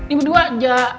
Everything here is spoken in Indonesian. ini berdua aja